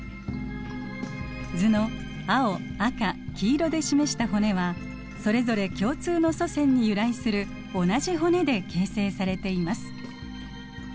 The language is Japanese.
図の青赤黄色で示した骨はそれぞれ共通の祖先に由来する同じ骨で形成されています。